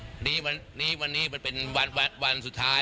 วันนี้วันนี้มันเป็นวันสุดท้าย